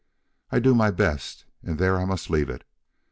I do my best, and there I must leave it.